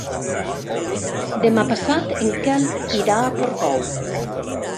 Demà passat en Quel irà a Portbou.